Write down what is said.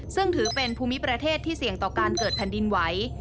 ซึ่งถือเป็นภูมิประเทศที่เสี่ยงต่อการเกิดแผ่นดินไหว